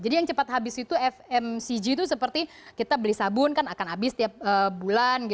jadi yang cepat habis itu fmcg itu seperti kita beli sabun kan akan habis tiap bulan